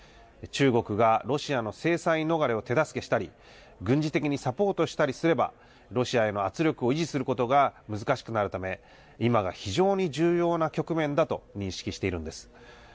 中国がロシアの制裁逃れを手助けしたり、軍事的にサポートしたりすれば、ロシアへの圧力を維持することが難しくなるため、今が非常に重要な局面だと認識しているんです。